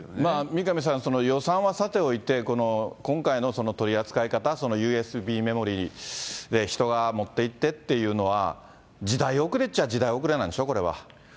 三上さん、予算はさておいて、今回の取り扱い方、そのＵＳＢメモリ、人が持っていってっていうのは、時代遅れっちゃあ時代遅れなんでしょ、これは。